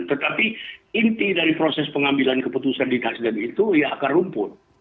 tetapi inti dari proses pengambilan keputusan di nasdem itu ya akar rumput